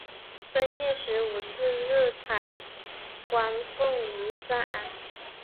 正月十五日彩棺奉移暂安。